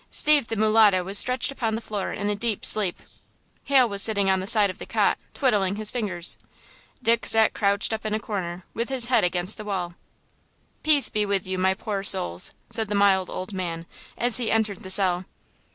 Steve the mulatto was stretched upon the floor in a deep sleep. Hal was sitting on the side of the cot, twiddling his fingers. Dick sat crouched up in a corner, with his head against the wall. "Peace be with you, my poor souls," said the mild old man, as he entered the cell.